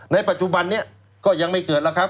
ในปัจจุบันนี้ก็ยังไม่เกิดแล้วครับ